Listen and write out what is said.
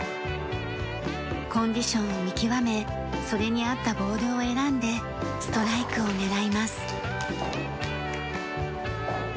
コンディションを見極めそれに合ったボールを選んでストライクを狙います。